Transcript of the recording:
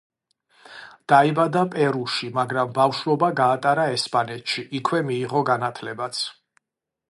დაიბადა პერუში, მაგრამ ბავშვობა გაატარა ესპანეთში, იქვე მიიღო განათლებაც.